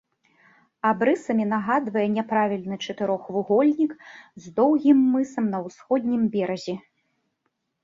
Абрысамі нагадвае няправільны чатырохвугольнік з доўгім мысам на ўсходнім беразе.